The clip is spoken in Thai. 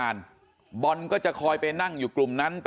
มันต้องการมาหาเรื่องมันจะมาแทงนะ